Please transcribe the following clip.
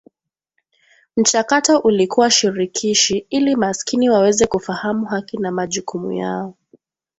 Mchakato ulikuwa shirikishi ili maskini waweze kufahamu haki na majukumu yao